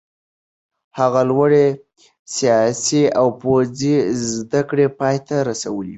هغه لوړې سیاسي او پوځي زده کړې پای ته رسولې وې.